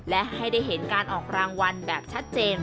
และให้ได้เห็นการออกรางวัลแบบชัดเจน